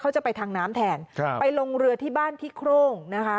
เขาจะไปทางน้ำแทนไปลงเรือที่บ้านพิโครง